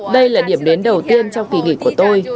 đây là điểm đến đầu tiên trong kỳ nghỉ của tôi